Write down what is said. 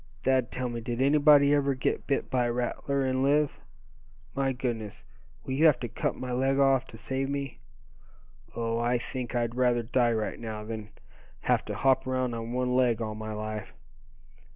Thad, tell me, did anybody ever get bit by a rattler, and live? My goodness! will you have to cut my leg off, to save me? Oh! I think I'd rather die right now, than have to hop around on one leg all my life.